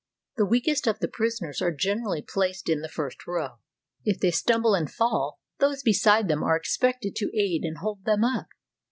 The weakest of the prisoners are generally placed in the first row. If they stumble and fall, those beside them are expected to aid and hold them up.